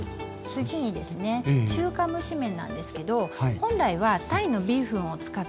次にですね中華蒸し麺なんですけど本来はタイのビーフンを使うんですね。